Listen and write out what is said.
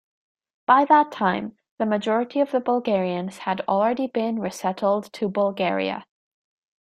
By that time, the majority of the Bulgarians had already been resettled to Bulgaria.